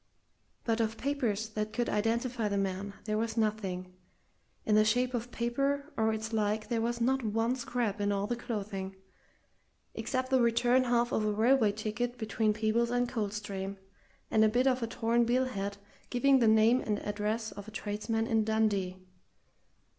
But of papers that could identify the man there was nothing in the shape of paper or its like there was not one scrap in all the clothing, except the return half of a railway ticket between Peebles and Coldstream, and a bit of a torn bill head giving the name and address of a tradesman in Dundee.